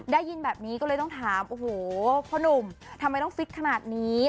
ได้ยินแบบนี้ก็เลยต้องถามโอ้โหพ่อนุ่มทำไมต้องฟิตขนาดนี้